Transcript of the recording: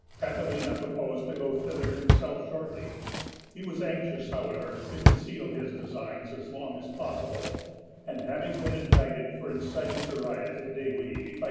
Catilina proposed to go thither himself shortly; he was anxious however to conceal his designs as long as possible, and having been indicted for inciting to riot (de vi) by L.